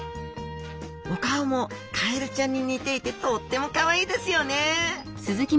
お顔もカエルちゃんに似ていてとってもかわいいですよね。